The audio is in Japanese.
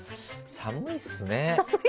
寒いですね。